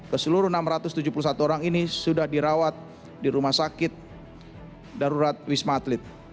keseluruh enam ratus tujuh puluh satu orang ini sudah dirawat di rumah sakit darurat wisma atlet